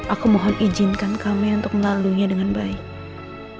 aku mohon izinkan kami untuk melaluinya dengan baik